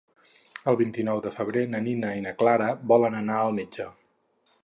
El vint-i-nou de febrer na Nina i na Clara volen anar al metge.